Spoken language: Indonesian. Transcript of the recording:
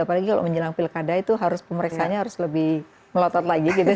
apalagi kalau menjelang pilkada itu harus pemeriksaannya harus lebih melotot lagi gitu ya